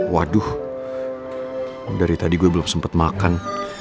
waduh dari tadi gue belum sempat makan